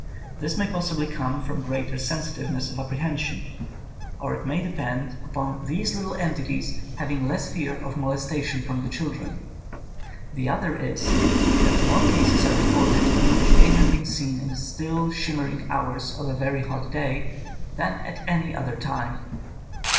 This may pos sibly come from greater sensitiveness of ap prehension, or it may depend upon these 126 INDEPENDENT EVIDENCE FOR FAIRIES little entities having less fear of molestation from tlie children. The other is, that more cases are recorded in which they have been seen in the still, shimmering hours of a very hot day than at any other time.